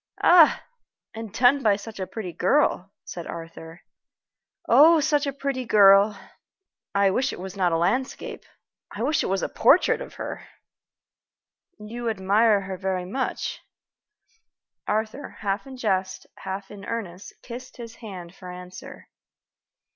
"Ah! and done by such a pretty girl," said Arthur. "Oh, such a pretty girl! I wish it was not a landscape I wish it was a portrait of her!" "You admire her very much?" Arthur, half in jest, half in earnest, kissed his hand for answer.